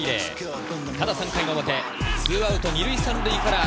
３回の表、２アウト２塁３塁から。